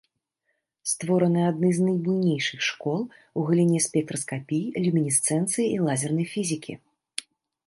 Створаны адны з найбуйнейшых школ у галіне спектраскапіі, люмінесцэнцыі і лазернай фізікі.